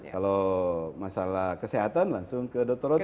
kalau masalah kesehatan langsung ke dokter roti